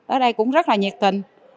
ở đây cũng rất là nhiệt tình